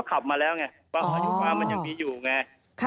ก็ขับมาแล้วไงมันยังมีอยู่ไง